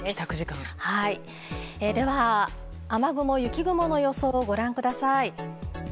では、雨雲、雪雲の予想をご覧ください。